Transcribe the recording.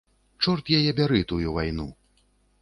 Чорт яе бяры, тую вайну!